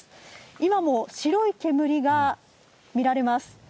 今も白い煙が見られます。